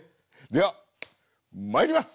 ではまいります！